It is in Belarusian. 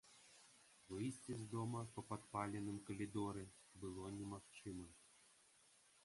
Выйсці з дома па падпаленым калідоры было немагчыма.